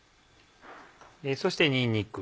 そしてにんにく。